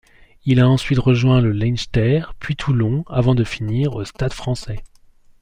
Il a ensuite rejoint le Leinster, puis Toulon, avant de finir au Stade Français.